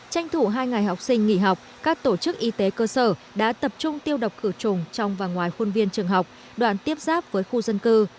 tranh thủ hai ngày học sinh nghỉ học các tổ chức y tế cơ sở đã tập trung tiêu độc khử trùng trong và ngoài khuôn viên trường học đoàn tiếp giáp với khu dân cư